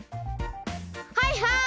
はいはい！